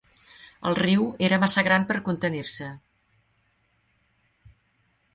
El riu era massa gran per contenir-se.